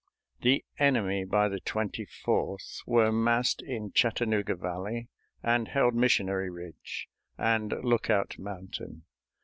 The enemy by the 24th were massed in Chattanooga Valley, and held Missionary Ridge and Lookout Mountain.